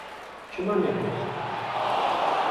Çima nebe?